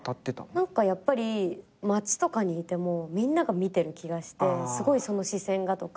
何か街とかにいてもみんなが見てる気がしてすごいその視線がとか。